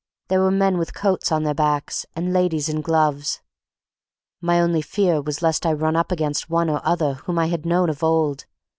Here were men with coats on their backs, and ladies in gloves. My only fear was lest I might run up against one or other whom I had known of old.